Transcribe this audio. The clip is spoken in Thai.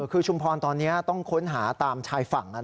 คือชุมพรตอนนี้ต้องค้นหาตามชายฝั่ง